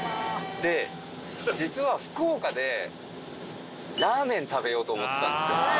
で実は福岡でラーメン食べようと思ってたんですよ。